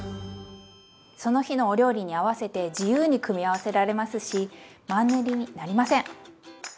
その日のお料理に合わせて自由に組み合わせられますしマンネリになりません！